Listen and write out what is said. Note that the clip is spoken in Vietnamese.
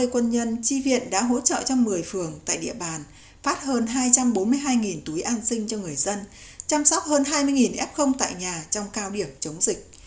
ba mươi quân nhân tri viện đã hỗ trợ cho một mươi phường tại địa bàn phát hơn hai trăm bốn mươi hai túi an sinh cho người dân chăm sóc hơn hai mươi f tại nhà trong cao điểm chống dịch